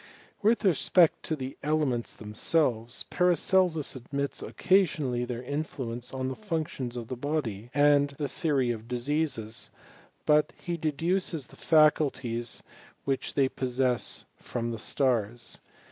With respect to the elements themselves, Paracelsus admits occasionally their influence on the functions of the body, and the theory of diseases ; but he deduces the faculties which they possess from the stars.